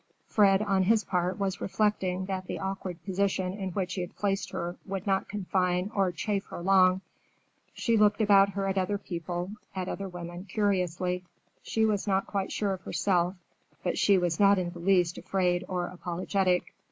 Fred, on his part, was reflecting that the awkward position in which he had placed her would not confine or chafe her long. She looked about at other people, at other women, curiously. She was not quite sure of herself, but she was not in the least afraid or apologetic.